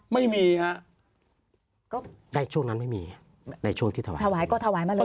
ไม่มีฮะก็ได้ช่วงนั้นไม่มีในช่วงที่ถวายถวายก็ถวายมาเลย